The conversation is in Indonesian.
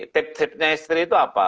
tipsnya istri itu apa